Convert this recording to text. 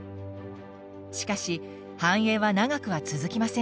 しかし繁栄は長くは続きませんでした。